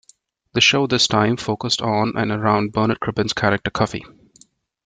The show this time focused on and around Bernard Cribbins's character Cuffy.